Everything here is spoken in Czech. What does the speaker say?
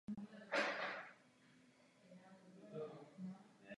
Ve Svaté říši římské existovala říšská knížectví duchovní a světská.